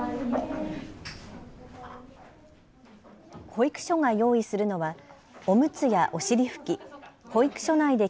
保育所が用意するのはおむつやお尻拭き、保育所内で